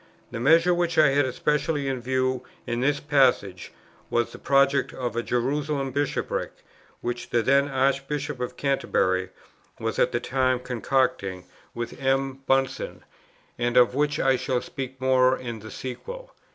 The measure which I had especially in view in this passage, was the project of a Jerusalem Bishopric, which the then Archbishop of Canterbury was at that time concocting with M. Bunsen, and of which I shall speak more in the sequel.